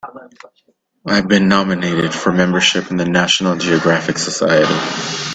I've been nominated for membership in the National Geographic Society.